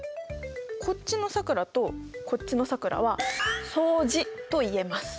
こっちのさくらとこっちのさくらは相似と言えます。